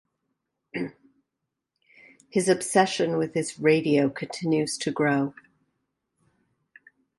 His obsession with his radio continues to grow.